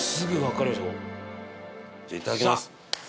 じゃあいただきます！